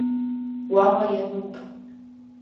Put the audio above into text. Уаҟа иануп.